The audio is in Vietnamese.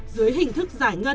tuy nhiên trong hoạt động cho vay